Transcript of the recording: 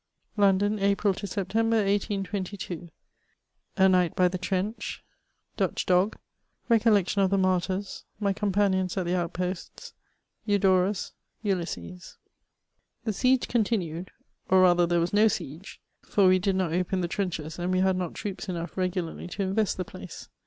London, April to September, 1822. A NIGHT BT THE TRENCH — DUTCH DOG — BECOLLBCTION OF THE MABTYBS— MY COMPANIONS AT THE OUTPOSTS— BUDOBUS— ULYSSES. The siege continued, or rather there was no siege, for we ^d not open the trenches, and we had not troops enough regu larly to invest the place.